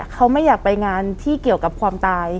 เขาไม่อยากไปงานที่เกี่ยวกับความตาย